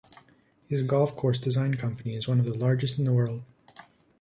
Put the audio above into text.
His golf course design company is one of the largest in the world.